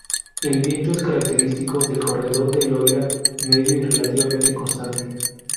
El viento es característico del corredor del Loira, medio y relativamente constante.